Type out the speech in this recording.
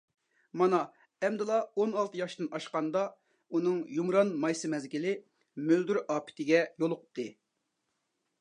مانا ئەمدىلا ئون ئالتە ياشتىن ئاشقاندا، ئۇنىڭ يۇمران مايسا مەزگىلى مۆلدۈر ئاپىتىگە يولۇقتى.